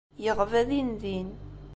Yeɣba dindin.